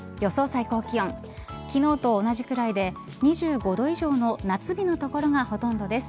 最高気温昨日と同じぐらいで２５度以上の夏日の所がほとんどです。